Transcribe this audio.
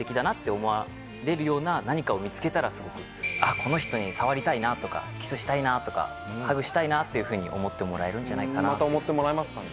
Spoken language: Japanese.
この人に触りたいなとかキスしたいなとかハグしたいなっていうふうに思ってもらえるんじゃないかなまた思ってもらえますかね？